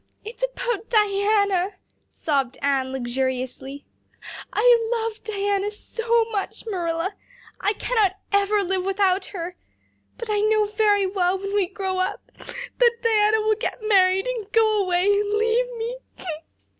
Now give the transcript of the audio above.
"It's about Diana," sobbed Anne luxuriously. "I love Diana so, Marilla. I cannot ever live without her. But I know very well when we grow up that Diana will get married and go away and leave me.